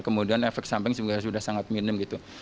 kemudian efek samping juga sudah sangat minim gitu